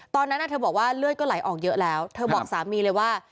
ตอนนั้นเธอบอกว่าเลือดก็ไหลออกเยอะแล้วเธอบอกสามีเลยว่า